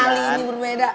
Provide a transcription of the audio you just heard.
kali ini berbeda